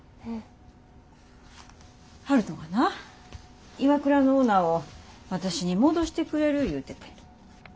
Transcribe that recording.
悠人がなＩＷＡＫＵＲＡのオーナーを私に戻してくれる言うてて。